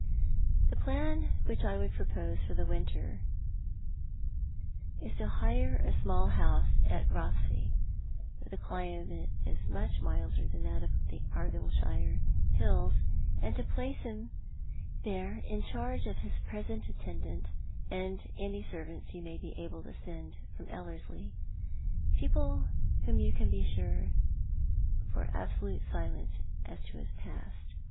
" The plan which I would propose for the winter is to hire 320 Thott a)'t the Man. a small lionse at Eotlisay, where the climate is miich milder than that of the Argyllshire hills, and to place him there in charge of his present attendant and any servants you may be able to send from Ellerslie, people whom you can be sure of for absolute silence as to the past.